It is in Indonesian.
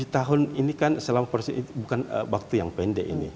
tahun ini kan selama proses ini bukan waktu yang pendek ini